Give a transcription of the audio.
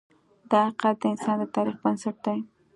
دا حقیقت د انسان د تاریخ بنسټ دی.